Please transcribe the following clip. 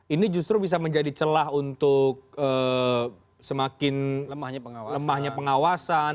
ini justru bisa menjadi celah untuk semakin lemahnya pengawasan